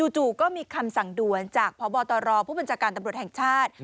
จู่ก็มีคำสั่งด่วนจากพบตรผู้บัญชาการตำรวจแห่งชาติ